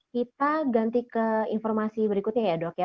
kita ganti ke informasi berikutnya ya dok ya